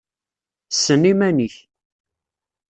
Ssen iman-ik!